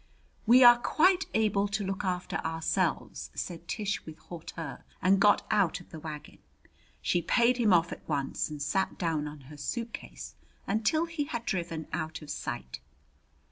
"We are quite able to look after ourselves," said Tish with hauteur, and got out of the wagon. She paid him off at once and sat down on her suitcase until he had driven out of sight.